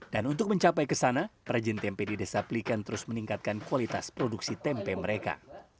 dan untuk mencapai ke sana prajin tempe di desa pliken terus meningkatkan kualitas produksi tempe mereka